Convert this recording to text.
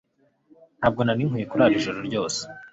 ntabwo nari nkwiye kurara ijoro ryose